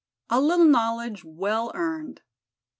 A LITTLE KNOWLEDGE, WELL EARNED.